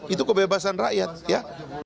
itu kebebasan rakyat ya